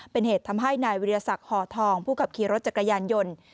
เป็นเหตุทำให้นายวิทยาศักดิ์ห่อทองผู้ขับขี่รถจักรยานยนต์